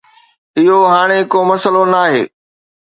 اهو هاڻي ڪو مسئلو ناهي